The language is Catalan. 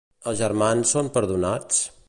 Els germans són perdonats?